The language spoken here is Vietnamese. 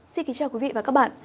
xin kính chào quý vị và các bạn